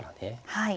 はい。